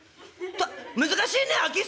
難しいね空き巣」。